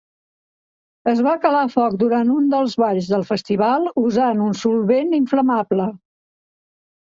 Es va calar foc durant un dels balls del festival usant un solvent inflamable.